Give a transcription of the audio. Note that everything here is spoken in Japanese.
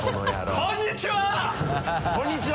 こんにちは！